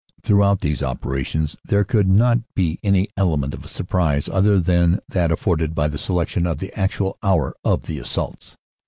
"Throughout these operations there could not be any ele ment of surprise, other than that afforded by the selection of the actual hour of the assaults.